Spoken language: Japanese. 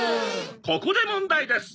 「ここで問題です」